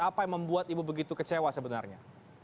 apa yang membuat ibu begitu kecewa sebenarnya